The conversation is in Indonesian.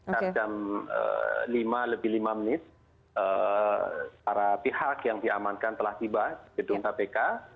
saat jam lima lebih lima menit para pihak yang diamankan telah tiba di gedung kpk